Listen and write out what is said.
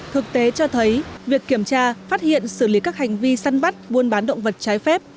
thực tế cho thấy việc kiểm tra phát hiện xử lý các hành vi săn bắt buôn bán động vật trái phép